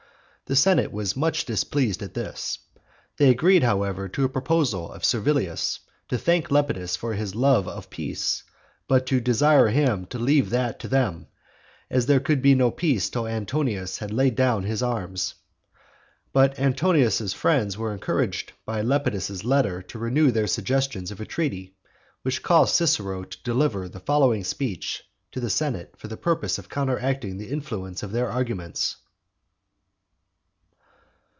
The senate was much displeased at this. They agreed, however, to a proposal of Servilius to thank Lepidus for his love of peace, but to desire him to leave that to them; as there could be no peace till Antonius had laid down his arms. But Antonius's friends were encouraged by Lepidus's letter to renew their suggestions of a treaty; which caused Cicero to deliver the following speech to the senate for the purpose of counteracting the influence of their arguments.